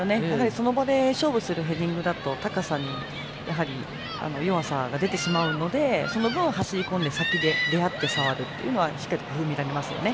その場で勝負するヘディングだと高さに弱さが出てしまうのでその分、走りこんで先で出会って触るというのはしっかりと工夫になりますよね。